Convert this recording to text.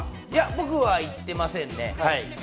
僕は行ってませんね。